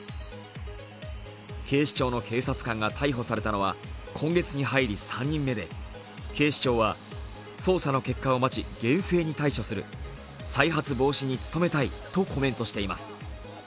警視庁の警察官が逮捕されたのは今月に入り３人目で、警視庁は、捜査の結果を待ち冷静に対処する再発防止に努めたいとコメントしています。